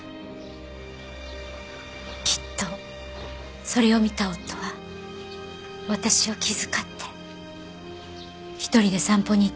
きっとそれを見た夫は私を気遣って１人で散歩に行ったんです。